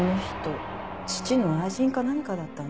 父の愛人か何かだったんでしょ？